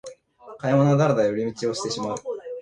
買い物はダラダラ寄り道してしまう